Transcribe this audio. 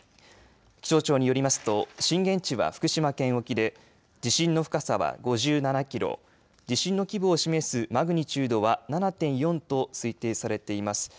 気象庁によりますと震源地は福島県沖で地震の深さは５７キロ地震の規模を示すマグニチュードは７．４と推定されています。